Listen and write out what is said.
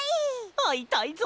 あいたいぞ！